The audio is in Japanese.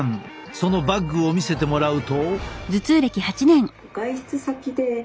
そのバッグを見せてもらうと。